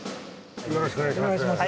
よろしくお願いします。